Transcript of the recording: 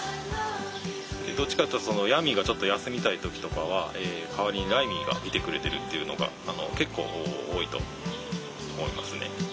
どっちかっていうとヤミーがちょっと休みたい時とかは代わりにライミーが見てくれてるっていうのが結構多いと思いますね。